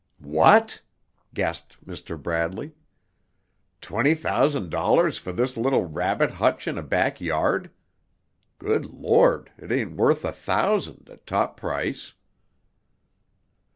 "What!" gasped Mr. Bradley. "Twenty thousand dollars for this little rabbit hutch in a back yard? Good Lord, it ain't worth a thousand, at top price."